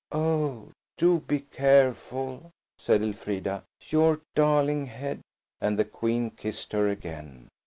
"Oh, do be careful," said Elfrida. "Your darling head!" and the Queen kissed her again.